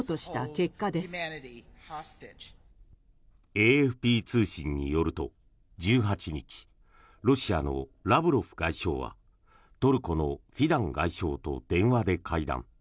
ＡＦＰ通信によると１８日、ロシアのラブロフ外相はトルコのフィダン外相と電話で会談。